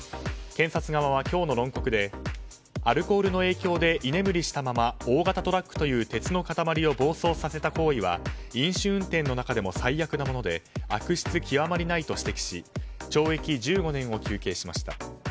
検察側は今日の論告でアルコールの影響で居眠りしたまま大型トラックという鉄の塊を暴走させた行為は飲酒運転の中でも最悪なもので悪質極まりないと指摘し懲役１５年を求刑しました。